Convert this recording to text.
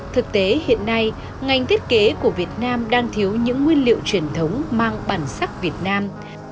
thực tế hiện nay ngành thiết kế của việt nam đang thiếu những nguyên liệu truyền thống mang bản sắc việt nam